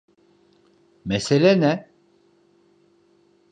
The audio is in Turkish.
Mesele ne?